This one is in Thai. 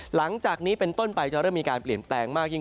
หลังจากนี้เป็นต้นไปจะเริ่มมีการเปลี่ยนแปลงมากยิ่ง